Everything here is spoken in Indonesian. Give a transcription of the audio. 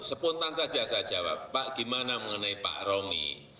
spontan saja saya jawab pak gimana mengenai pak romi